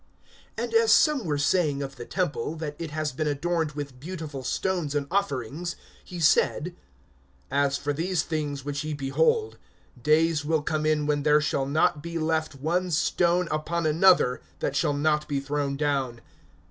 (5)And as some were saying of the temple, that it has been adorned with beautiful stones and offerings, he said: (6)As for these things which ye behold, days will come in which there shall not be left one stone upon another, that shall not be thrown down.